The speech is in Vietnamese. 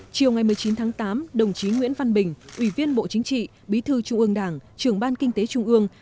chiều ngày một mươi chín tháng tám đồng chí nguyễn văn bình ủy viên bộ chính trị bí thư trung ương đảng trưởng ban kinh tế trung ương